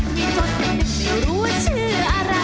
มีจดอยู่หนูไม่รู้ชื่ออะไร